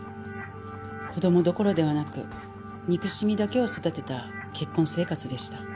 子供どころではなく憎しみだけを育てた結婚生活でした。